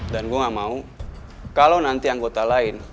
dan gue nggak mau kalau nanti anggota lain